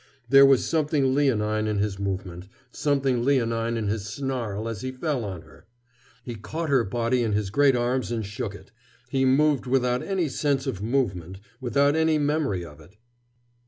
There was something leonine in his movement, something leonine in his snarl as he fell on her. He caught her body in his great arms and shook it. He moved without any sense of movement, without any memory of it.